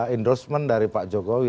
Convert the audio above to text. endorsement dari pak jokowi